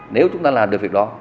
nếu chúng ta làm được việc đó